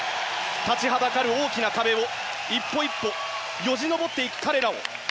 立ちはだかる大きな壁を１歩１歩よじ登っていく彼らを。